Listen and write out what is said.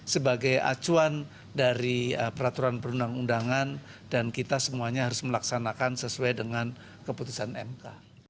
sebagai acuan dari peraturan perundang undangan dan kita semuanya harus melaksanakan sesuai dengan keputusan mk